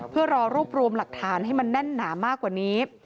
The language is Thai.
เพื่อรอรวบรวมหลักฐานให้มันแน่นหนามากกว่านี้